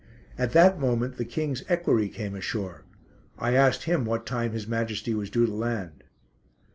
At that moment the King's equerry came ashore. I asked him what time His Majesty was due to land.